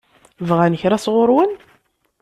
Bɣan kra sɣur-wen?